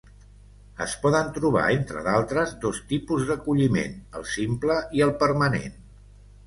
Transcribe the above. Es poden trobar, entre d'altres, dos tipus d’acolliment: el simple i el permanent.